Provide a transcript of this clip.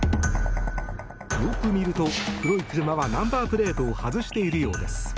よく見ると、黒い車はナンバープレートを外しているようです。